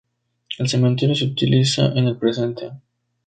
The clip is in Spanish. El cementerio se utiliza en el presente.